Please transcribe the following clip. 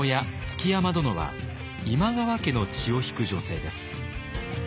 築山殿は今川家の血を引く女性です。